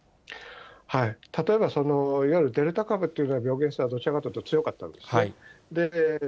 例えばいわゆるデルタ株というのは、がどちらかといえば強かったんですね。